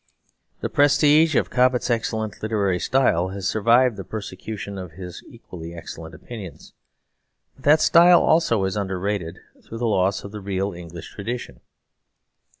The prestige of Cobbett's excellent literary style has survived the persecution of his equally excellent opinions. But that style also is underrated through the loss of the real English tradition.